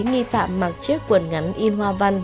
nghi phạm mặc chiếc quần ngắn in hoa văn